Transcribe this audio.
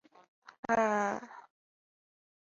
片头曲是歌手矢田悠佑的出道作。